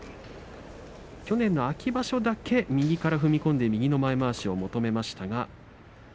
去年の秋場所だけ右から踏み込んで右のまわしを前まわしを求めました。